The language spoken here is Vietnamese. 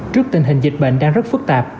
trước tình hình dịch bệnh đang rất phức tạp